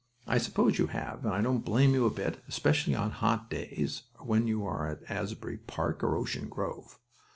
I suppose you have, and I don't blame you a bit, especially on hot days, or when you are at Asbury Park or Ocean Grove.